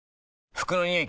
服のニオイ